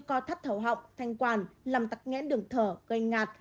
co thắt thầu họng thanh quản làm tắc nghẽn đường thở gây ngạt